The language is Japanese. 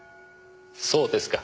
そうですか。